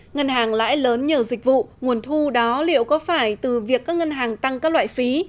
ngân hàng lãi lớn nhờ dịch vụ nguồn thu đó liệu có phải từ việc các ngân hàng tăng các loại phí